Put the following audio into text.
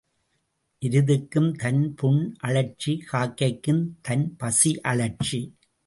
எருதுக்கும் தன் புண் அழற்சி காக்கைக்கும் தன் பசி அழற்சி.